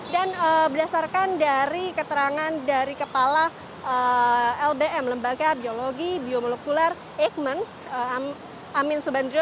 dan berdasarkan dari keterangan dari kepala lbm lembaga biologi biomolekuler eijkman amin subandrio